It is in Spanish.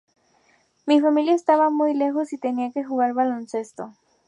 Mi familia estaba muy lejos y tenía que jugar baloncesto.